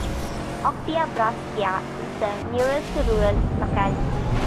Oktyabrskaya is the nearest rural locality.